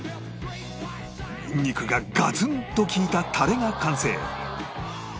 ニンニクがガツンときいたタレが完成